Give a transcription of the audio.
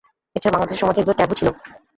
এছাড়া বাংলাদেশের সমাজে এগুলো ট্যাবু ছিলো।